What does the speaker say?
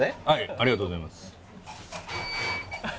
ありがとうございます。